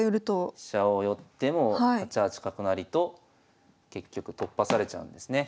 飛車を寄っても８八角成と結局突破されちゃうんですね。